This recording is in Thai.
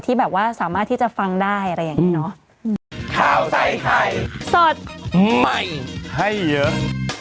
ที่แบบว่าสามารถที่จะฟังได้อะไรอย่างเงี้เนอะข้าวใส่ไข่สดใหม่ให้เยอะ